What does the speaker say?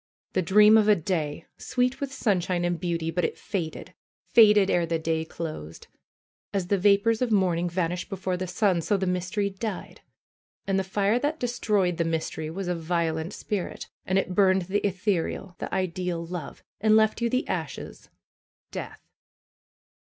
The dream of a day! Sweet with sunshine and beauty; but it faded, faded ere the day closed! As the vapors of morning vanish before the sun, so the mystery died. And the fire that destroyed the mystery was a violent spirit, and it burned the ethereal, the ideal love, and left you the ashes — death